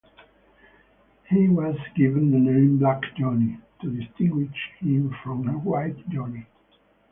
He was given the name "Black Johnny" to distinguish him from a "White Johnny".